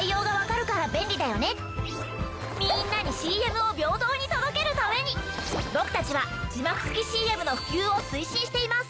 みんなにＣＭを平等に届けるために僕たちは字幕付きＣＭの普及を推進しています。